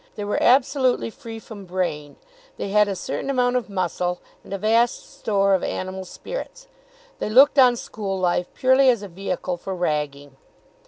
They were absolutely free from brain. They had a certain amount of muscle, and a vast store of animal spirits. They looked on school life purely as a vehicle for ragging.